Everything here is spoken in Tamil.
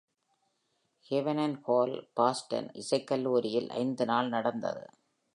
"ஹெவன் அண்ட் ஹெல்" பாஸ்டன் இசைக்கல்லூரியில் ஐந்து நாள் நடந்தது.